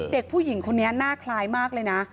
เด็กผู้หญิงคนนี้หน้าคล้ายมากเลยนะ